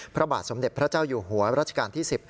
พระบาทสมเด็จพระเจ้าอยู่หัวรัชกาลที่๑๐